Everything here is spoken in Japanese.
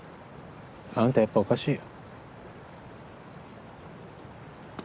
あんたやっぱおかしいよ。